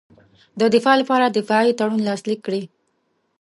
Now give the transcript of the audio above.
د دفاع لپاره دفاعي تړون لاسلیک کړي.